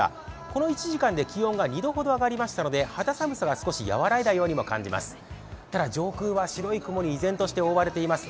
この１時間で気温が２度ほど上がりましたので肌寒さが少し和らいだように感じます。